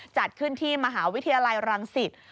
จัดขึ้นที่มหาวิทยาลัยรังสิต